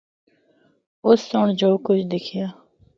آس سنڑ جو کجھ دیخیا۔